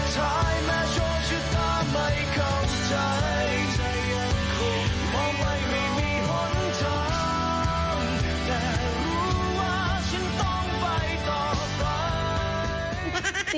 จับไป